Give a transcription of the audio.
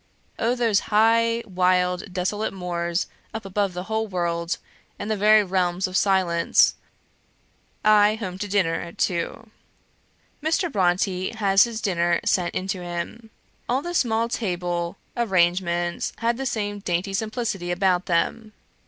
Oh those high, wild, desolate moors, up above the whole world, and the very realms of silence! Home to dinner at two. Mr. Brontë has his dinner sent into him. All the small table arrangements had the same dainty simplicity about them.